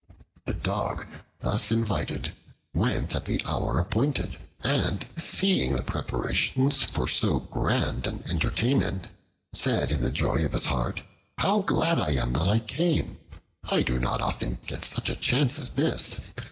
The Dog thus invited went at the hour appointed, and seeing the preparations for so grand an entertainment, said in the joy of his heart, "How glad I am that I came! I do not often get such a chance as this.